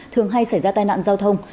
thường hay xảy ra tai nạn giao thông